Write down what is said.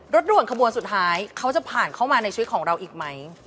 ด่วนขบวนสุดท้ายเขาจะผ่านเข้ามาในชีวิตของเราอีกไหม